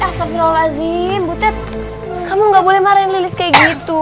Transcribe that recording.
astagfirullahaladzim butet kamu gak boleh marahin lilis kayak gitu